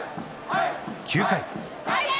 ９回。